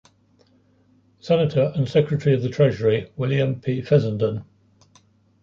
Senator and Secretary of the Treasury William P. Fessenden.